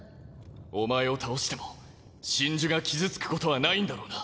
お前を倒しても真珠が傷つくことはないんだろうな？